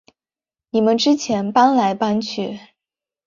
你们之前搬来搬去